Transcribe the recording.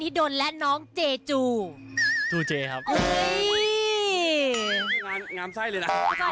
สวัสดีค่ะเชิญผู้หล่อก่อน